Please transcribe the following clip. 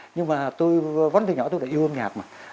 nhưng mà tôi vẫn từ nhỏ tôi đã yêu âm nhạc mà